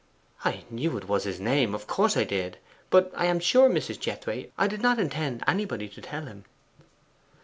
'I knew it was his name of course I did; but I am sure, Mrs. Jethway, I did not intend anybody to tell him.